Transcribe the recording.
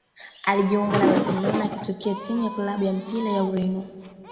Alijiunga na Barcelona akitokea timu ya klabu ya mpira ya Ureno